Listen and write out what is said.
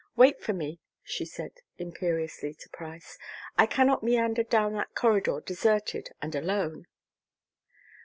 "Wait for me," she said, imperiously to Price. "I cannot meander down that corridor, deserted and alone."